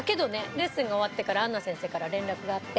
レッスンが終わってから杏奈先生から連絡があって。